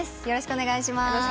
よろしくお願いします。